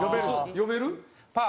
読めるん？